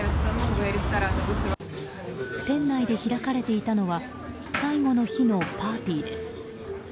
店内で開かれていたのは最後の日のパーティーです。